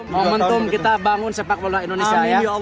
momentum kita bangun sepak bola indonesia ini